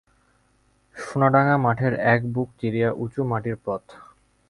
সোনাডাঙা মাঠের বুক চিরিয়া উঁচু মাটির পথ।